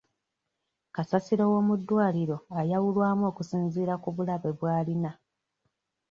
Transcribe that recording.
Kasasiro w'omuddwaliro ayawulwamu okusinziira ku bulabe bw'alina.